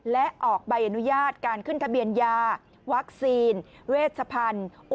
และออกใบอนุญาตการขึ้นทะเบียนยาวัคซีนเวชพันธุ์